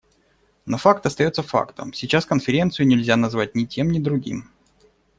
Но факт остается фактом — сейчас Конференцию нельзя назвать ни тем, ни другим.